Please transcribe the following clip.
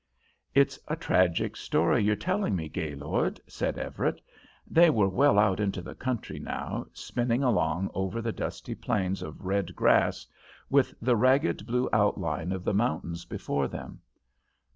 "It's a tragic story you're telling me, Gaylord," said Everett. They were well out into the country now, spinning along over the dusty plains of red grass, with the ragged blue outline of the mountains before them.